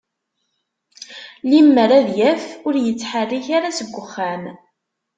Limmer ad yaf ur yettḥarrik ara seg uxxam.